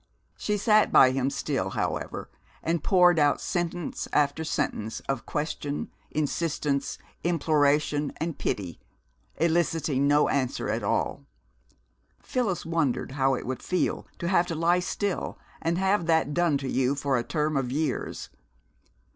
She sat by him still, however, and poured out sentence after sentence of question, insistence, imploration, and pity, eliciting no answer at all. Phyllis wondered how it would feel to have to lie still and have that done to you for a term of years.